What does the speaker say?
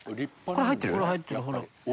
これ入ってるほら。